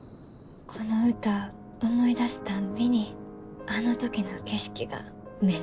この歌思い出すたんびにあの時の景色が目の前に広がんねん。